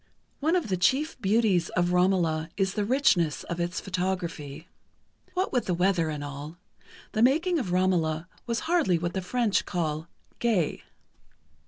One of the chief beauties of "Romola" is the richness of its photography. What with the weather and all, the making of "Romola" was hardly what the French call "gai."